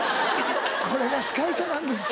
これが司会者なんです。